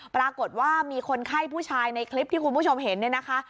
ปรากฏว่ามีคนไข้ผู้ชายในคลิปที่คุณผู้ชมเห็นเนี่ยนะคะ